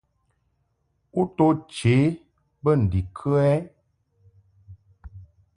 U to che bə ndikə ?